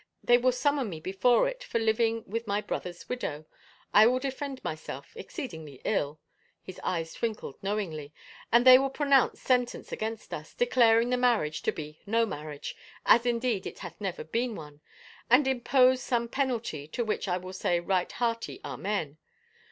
They will summon me before it for living with my brother*s. widow. I will defend myself — exceedingly ill "— his eyes twinkled knowingly —" and they will pronounce sen tence against us, declaring the marriage to be no marriage, as indeed it hath never been one, and impose some penalty to which I will say right hearty amen.